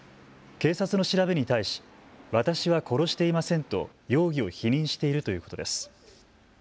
警察の調べに対し私は殺していませんと容疑を否認しているということです。